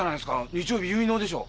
日曜日結納でしょ？